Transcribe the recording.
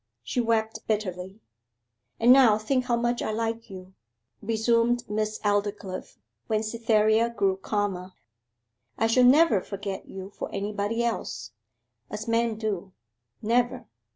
She wept bitterly. 'And now think how much I like you,' resumed Miss Aldclyffe, when Cytherea grew calmer. 'I shall never forget you for anybody else, as men do never.